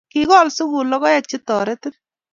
kikol sukul logoek che terotin.